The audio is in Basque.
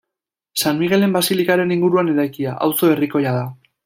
San Migelen basilikaren inguruan eraikia, auzo herrikoia da.